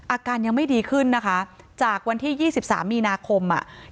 อาการยังไม่ดีขึ้นนะคะจากวันที่๒๓มีนาคมอ่ะ